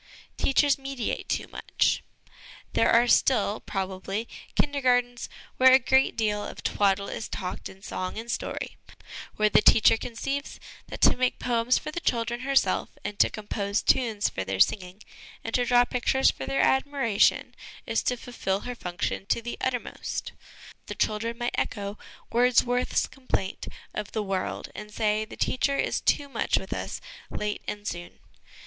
Teachers mediate too much. There are still, probably, Kindergartens where a great deal of twaddle is talked in song and story, where the teacher conceives that to make poems for the children herself and to compose tunes for their singing and to draw pictures for their admiration, is to fulfil her function to the uttermost The children might echo Wordsworth's complaint of 'the world/ and say, the teacher is too much with us, late and soon.